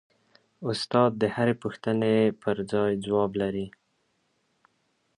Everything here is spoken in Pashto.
استاد د هرې پوښتنې پرځای ځواب لري.